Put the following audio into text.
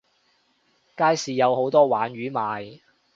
街市有好多鯇魚賣